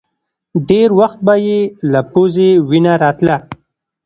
ډېر وخت به يې له پزې وينه راتله.